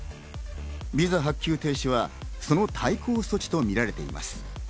ビザ発給停止はその対抗措置と見られています。